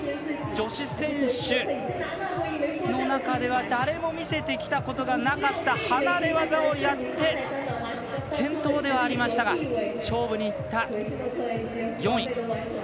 女子選手の中では誰も見せてきたことがなかった離れ業をやって転倒ではありましたが勝負にいった４位。